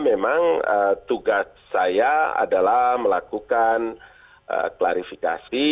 memang tugas saya adalah melakukan klarifikasi